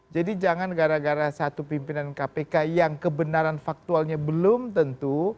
jadi jangan gara gara satu pimpinan kpk yang kebenaran faktualnya belum tentu